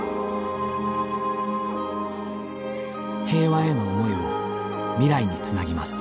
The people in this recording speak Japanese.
平和への思いを未来につなぎます。